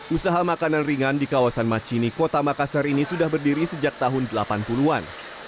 usaha makanan ringan di kawasan macini kota makassar ini sudah berdiri sejak tahun delapan puluh an